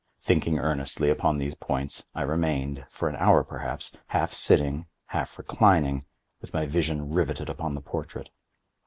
Thinking earnestly upon these points, I remained, for an hour perhaps, half sitting, half reclining, with my vision riveted upon the portrait.